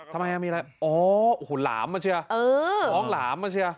ทำไมมีอะไรโอ้โหหลามมาเชียวเออหลองหลามมาเชียว